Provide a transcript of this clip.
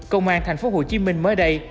công an tp hcm mới đây